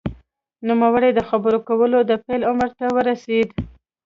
نوموړی د خبرو کولو د پیل عمر ته ورسېد